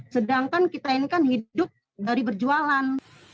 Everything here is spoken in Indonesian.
sedangkan kita ini kan hidup dari berjualan